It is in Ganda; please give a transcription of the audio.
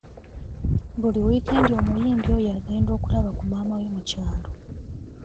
Buli wiikendi omuyimbi oyo agenda okulaba ku maama we mu kyalo.